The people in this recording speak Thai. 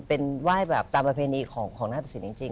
เป็นไหว้แบบตามประเพณีของนาตสินจริง